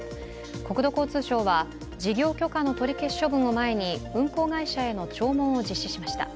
国土交通省は事業許可の取り消し処分を前に運航会社への聴聞を実施しました。